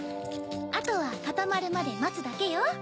あとはかたまるまでまつだけよ。